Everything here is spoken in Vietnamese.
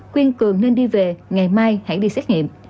khuyên cường nên đi về ngày mai hãy đi xét nghiệm